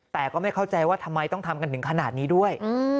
แต่ก็ไม่เข้าใจว่าทำไมต้องทำกันถึงขนาดนี้ด้วย